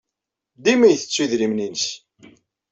Dima ittettu idrimen-nnes.